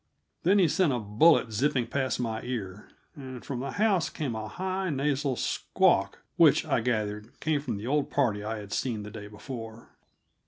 Then he sent a bullet zipping past my ear, and from the house came a high, nasal squawk which, I gathered, came from the old party I had seen the day before.